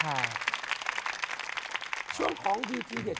พี่ยังไม่ได้เลิกแต่พี่ยังไม่ได้เลิก